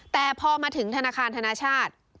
แต่พอมาถึงธนาคารธนาชาติ